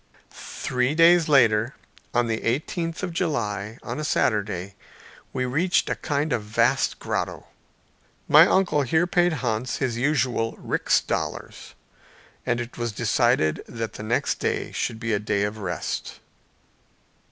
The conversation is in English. Three days later, on the eighteenth day of July, on a Saturday, we reached a kind of vast grotto. My uncle here paid Hans his usual rix dollars, and it was decided that the next day should be a day of rest.